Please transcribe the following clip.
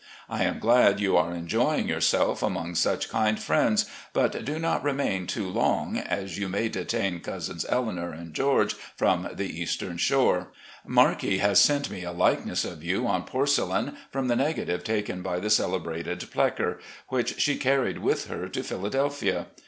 I am glad you are enjoying yourself among such kind friends, but do not remain too long, as you may detain Cousins Eleanor and George from the Eastern Shore. Marlde has sent me a likeness of you on porcelain, from the negative taken by the celebrated Flecker, which she carried with her to Philadelphia.